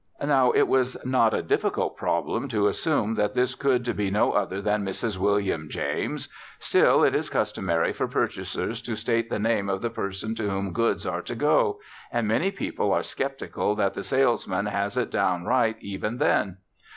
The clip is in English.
Now, it was not a difficult problem to assume that this could be no other than Mrs. William James, still, it is customary for purchasers to state the name of the person to whom goods are to go, and many people are sceptical that the salesman has it down right even then.